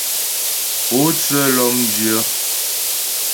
Pótsə́ lɔ́mdyə́.